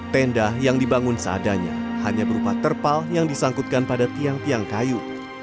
tenda yang dibangun seadanya hanya berupa terpal yang disangkutkan pada tiang tiang kayu